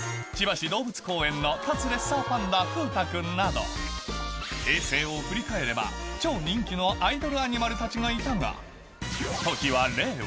千葉市動物公園の立つレッサーパンダ、ふうたくんなど、平成を振り返れば超人気のアイドルアニマルたちがいたが、時は令和。